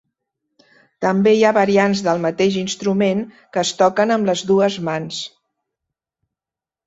També hi ha variants del mateix instrument que es toquen amb les dues mans.